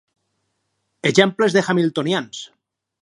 Exemples de hamiltonians.